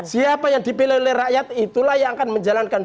siapa yang dipilih oleh rakyat itulah yang akan menjalankan